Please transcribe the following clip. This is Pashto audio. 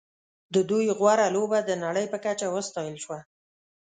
د دوی غوره لوبه د نړۍ په کچه وستایل شوه.